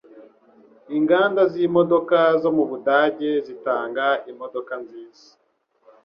Inganda z'imodoka zo mu Budage zitanga imodoka nziza